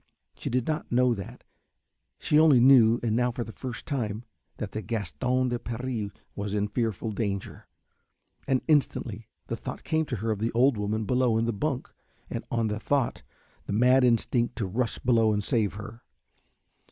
She did not know that, she only knew, and now for the first time, that the Gaston de Paris was in fearful danger. And instantly the thought came to her of the old woman below in her bunk and, on the thought, the mad instinct to rush below and save her.